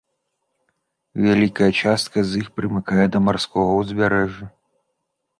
Вялікая частка з іх прымыкае да марскога ўзбярэжжа.